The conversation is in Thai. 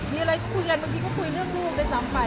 มีอะไรคุยกันบางทีก็คุยเรื่องลูกด้วยซ้ำไป